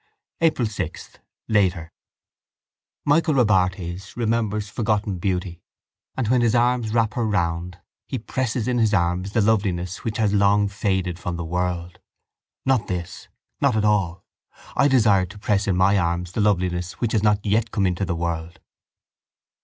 April 6, later. Michael Robartes remembers forgotten beauty and, when his arms wrap her round, he presses in his arms the loveliness which has long faded from the world. Not this. Not at all. I desire to press in my arms the loveliness which has not yet come into the world.